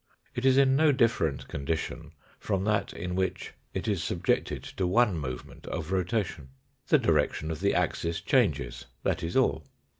It is in no different condition from that in which it is sub jected to one movement of rotation. The direction of the axis changes ; that is all.